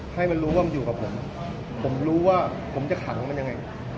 ให้มันรู้ว่ามันอยู่กับผมผมรู้ว่าผมจะขังมันยังไง